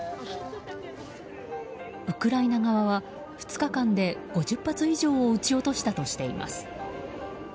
ウクライナ側は２日間で５０発以上を撃ち落としたとしています。